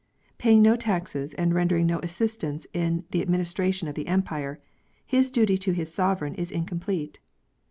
Paying no taxes and rendering no assistance in the administration of the Empire, his duty to his . sovereign is incomplete.